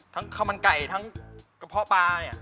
ข้าวมันไก่ทั้งกระเพาะปลาเนี่ย